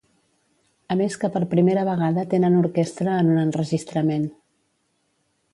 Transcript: A més que per primera vegada tenen orquestra en un enregistrament.